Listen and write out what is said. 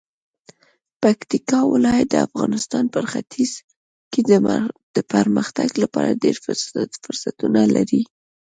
پکتیکا ولایت د افغانستان په ختیځ کې د پرمختګ لپاره ډیر فرصتونه لري.